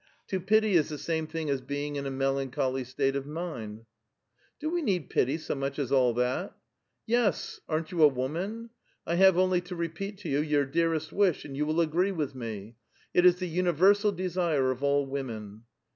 To pity is the same thing as be ing in a melancholy state of mind." '• Do we need pity so much as all that?" " Yes ; aren't you a woman? 1 have only to repeat to you your dearest wish, and you will agree with me. It is the universal desire of all women."